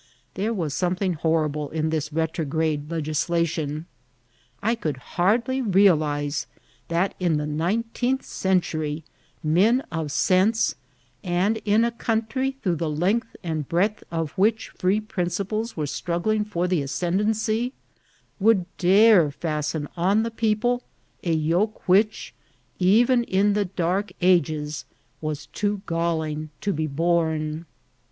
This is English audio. There was something horrible in this retrograde legislation. I could hardly realize that, in die nineteenth century, men of sense, and in a country A 8TATB BRBAKFA8T. SOS through the length and breadth of which firee principles were struggling for the ascendanoji would dare festen cm the people a yoke which, even in the dark ages, was too galling to be borne.